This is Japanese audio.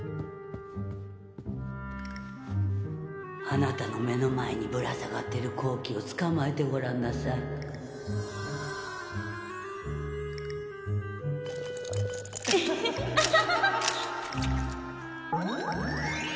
あなたの目の前にぶら下がってる好機をつかまえてごらんなさいアハハハ。